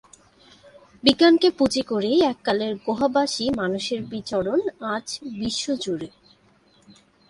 বিজ্ঞানকে পুঁজি করেই এককালের গুহাবাসী মানুষের বিচরণ আজ বিশ্বজুড়ে।